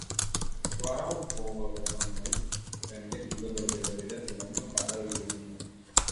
Suara vowel open-mid pendek juga berbeda-beda tergantung pada lingkungannya.